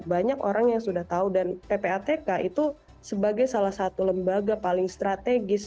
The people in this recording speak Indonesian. banyak orang yang sudah tahu dan ppatk itu sebagai salah satu lembaga paling strategis